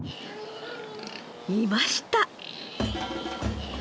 いました！